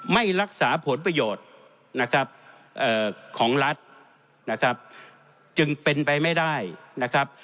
ไม่รักษาผลประโยชน์นะครับของรัฐนะครับจึงเป็นไปไม่ได้นะครับ